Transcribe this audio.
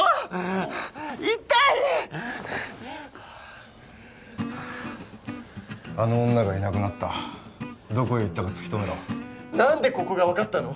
あの女がいなくなったどこへ行ったか突き止めろ何でここが分かったの？